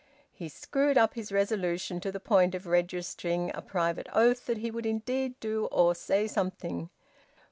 He screwed up his resolution to the point of registering a private oath that he would indeed do or say something.